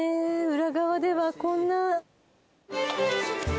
裏側ではこんな。